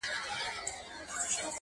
• له محشره نه دی کم هغه ساعت چي..